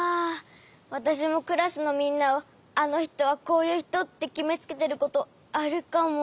わたしもクラスのみんなをあのひとはこういうひとってきめつけてることあるかも。